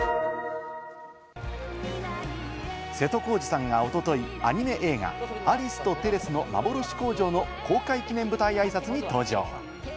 瀬戸康史さんがおととい、アニメ映画『アリスとテレスのまぼろし工場』の公開記念舞台あいさつに登場。